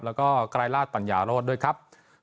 แล้วก็ไกรราชปัญญาโรธด้วยครับ